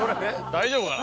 大丈夫かな？